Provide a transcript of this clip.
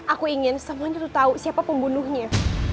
aku ingin semuanya tuh tau siapa pembunuhnya